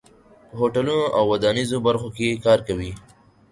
په هوټلونو او ودانیزو برخو کې کار کوي.